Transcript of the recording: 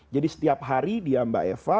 jadi setiap hari dia mbak eva